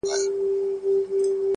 اچيل یې ژاړي، مړ یې پېزوان دی،